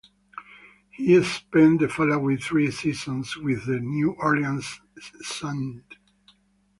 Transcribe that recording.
He spent the following three seasons with the New Orleans–St.